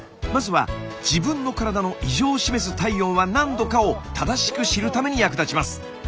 まずは自分の体の異常を示す体温は何度かを正しく知るために役立ちます！